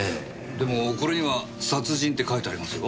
でもこれには殺人って書いてありますよ。